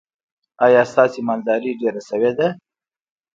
ایا ستاسو مالداري ډیره شوې ده؟